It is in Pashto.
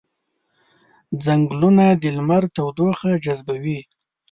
ځنګلونه د لمر تودوخه جذبوي